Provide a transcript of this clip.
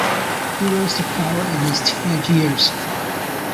He rose to power in his teenage years.